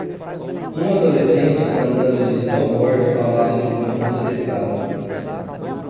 Um adolescente está andando de snowboard ao lado de um conjunto de escadas.